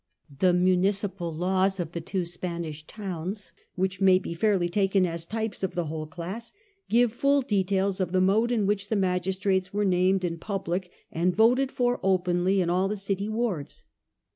The municipal laws of the two Spanish towns, Life in the Provinces. 187 which may be fairly taken as types of the whole class, ' give full details of the mode in which the magistrates were named in public and voted for openly in all the city wards.